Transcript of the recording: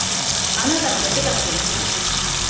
あなたの言ってたことの意味が。